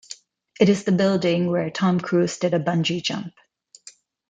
It is the building where Tom Cruise did a bungee jump.